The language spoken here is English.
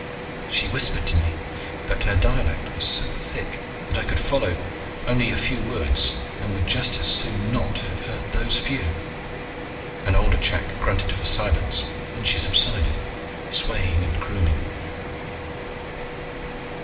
She whispered to me, but her dialect was so thick that I could follow only a few words, and would just as soon not have heard those few. An older chak grunted for silence and she subsided, swaying and crooning.